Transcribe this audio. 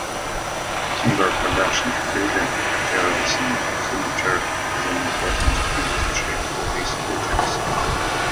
Timber production for building materials and furniture is an important industry for these regions.